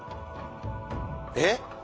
えっ？